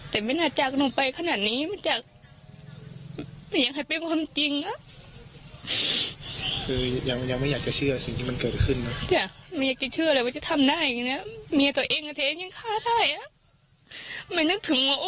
คือยังไม่อยากจะเชื่อสิ่งนั้นเกิดขึ้นนะ